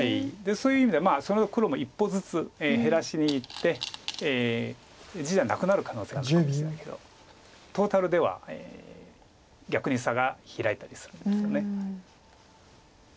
そういう意味でその黒も一歩ずつ減らしにいって地じゃなくなる可能性があるかもしれないけどトータルでは逆に差が開いたりするんですよね。